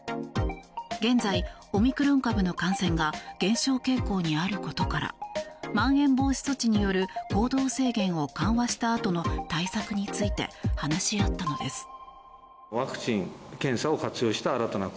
現在、オミクロン株の感染が減少傾向にあることからまん延防止措置による行動制限を緩和したあとの対策について話し合ったのです。